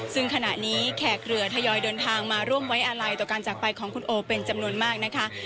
ซึ่งขณะนี้แขกเรือทยอยเดินทางมาร่วมไว้อาลัยต่อการจากไปของคุณโอเป็นจำนวนมากนะคะ